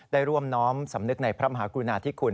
ได้ร่วมน้อมสำนึกในพระมหากรุณาธิคุณ